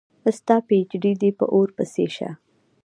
ستا پي ایچ ډي په اوور پسي شه